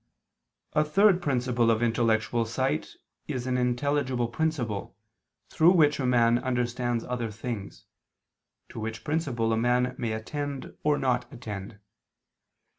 A third principle of intellectual sight is an intelligible principle, through which a man understands other things; to which principle a man may attend or not attend.